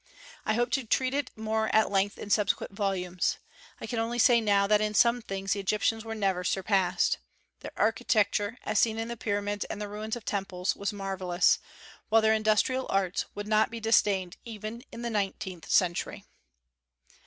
I hope to treat it more at length in subsequent volumes. I can only say now that in some things the Egyptians were never surpassed. Their architecture, as seen in the pyramids and the ruins of temples, was marvellous; while their industrial arts would not be disdained even in the 19th century.